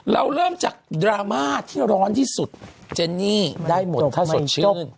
ถ้าเมื่อวานแออก็อาจจะพันเจ็ดอีกไว้พันเจ็ด